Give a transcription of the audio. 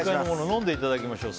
飲んでいただきましょう。